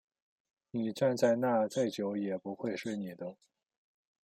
你站在那再久也不会是你的